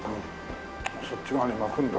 そっち側に巻くんだ。